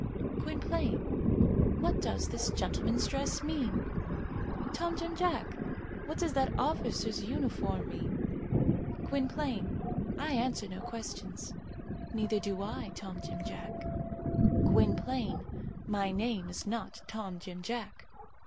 "Gwynplaine, what does this gentleman's dress mean?" "Tom Jim Jack, what does that officer's uniform mean?" "Gwynplaine, I answer no questions." "Neither do I, Tom Jim Jack." "Gwynplaine, my name is not Tom Jim Jack."